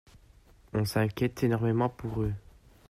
On s’inquiète énormément pour eux.